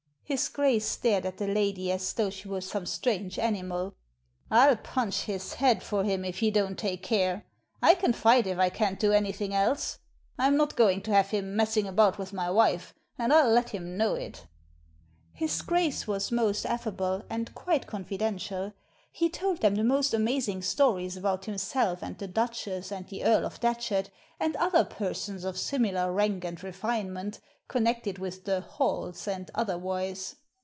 His Grace stared at the lady as though she were some strange animal " I'll punch his head for him if he don't take care. I can fight if I can't do anything else. I'm not going to have him mess ing about with my wife, and I'll let him know it" His Grace was most affable, and quite confidential He told them the most amazing stories about him self and the Duchess and the Earl of Datchet, and other persons of similar rank and refinement, con nected with the "halls" and otherwise.